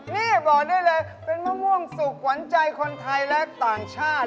นี่บอกได้เลยเป็นมะม่วงสุกขวัญใจคนไทยและต่างชาติ